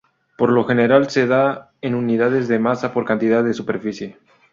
Por lo general, se da en unidades de masa por cada unidad de superficie.